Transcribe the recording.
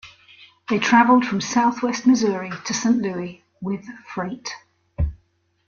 They traveled from southwest Missouri to Saint Louis with freight.